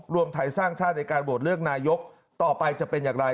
รวมไทยสร้างชาติในการโหวตเลือกนายกต่อไปจะเป็นอย่างไร